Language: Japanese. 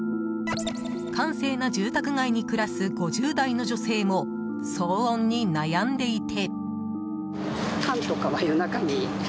閑静な住宅街に暮らす５０代の女性も騒音に悩んでいて。